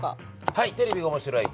「はいテレビが面白い。